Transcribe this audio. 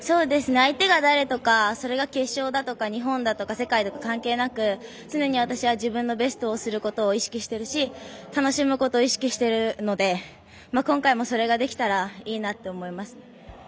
相手が誰とかそれが決勝だとか日本だとか、世界だとか関係なく常に私は自分のベストをすることを意識してるし楽しむことを意識してるので今回もそれができたらいいなって思います。